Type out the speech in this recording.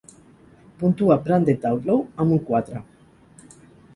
Puntua Branded Outlaw amb un quatre